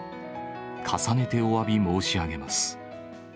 重ねておわび申し上げます。